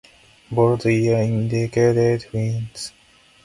Bolded years indicate wins.